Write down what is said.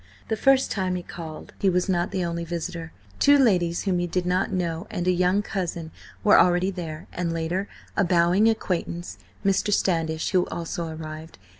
The first time he called he was not the only visitor; two ladies whom he did not know and a young cousin were already there, and later, a bowing acquaintance, Mr. Standish, also arrived.